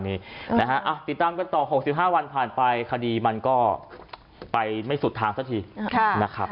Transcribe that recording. นะครับ